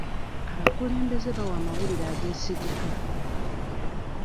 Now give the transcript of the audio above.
Abakulembeze bawa amawulire ageesigika.